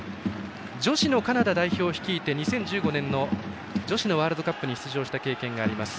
女子のカナダ代表を率いて２０１５年の女子のワールドカップ出場の経験があります。